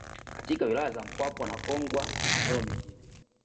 Katika wilaya za Mpwapwa na Kongwa na maeneo mengine